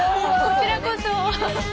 こちらこそ。